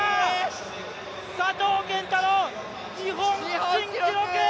佐藤拳太郎、日本新記録！